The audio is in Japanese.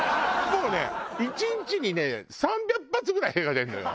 もうね１日にね３００発ぐらい屁が出るのよ。